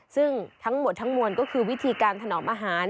ซึ่งทั้งหมดทั้งมวลก็คือวิธีการถนอมอาหาร